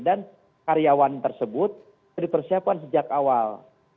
karyawan tersebut sudah dipersiapkan sejak awal